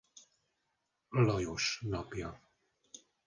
Lajos napja.